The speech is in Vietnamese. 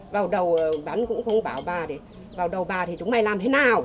vào đầu bắn cũng không bảo bà vào đầu bà thì chúng mày làm thế nào